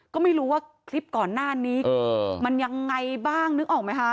ก็ไม่รู้ว่าคลิปก่อนหน้านี้มันยังไงบ้างนึกออกไหมคะ